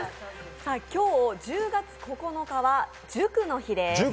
今日１０月９日は塾の日です。